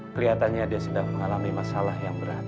kelihatannya dia sedang mengalami masalah yang berat